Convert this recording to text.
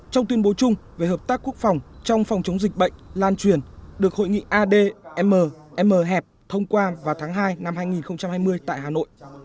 trong tuyên bố chung về hợp tác quốc phòng trong phòng chống dịch bệnh lan truyền được hội nghị adm mh thông qua vào tháng hai năm hai nghìn hai mươi tại hà nội